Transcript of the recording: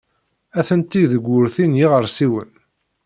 Atenti deg wurti n yiɣersiwen.